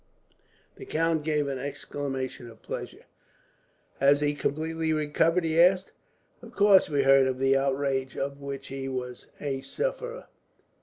The count gave an exclamation of pleasure. "Has he completely recovered?" he asked. "Of course, we heard of the outrage of which he was a sufferer."